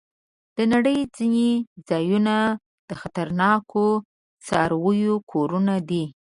د نړۍ ځینې ځایونه د خطرناکو څارويو کورونه دي.